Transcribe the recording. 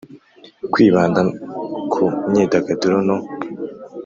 kwibanda ku myidagaduro no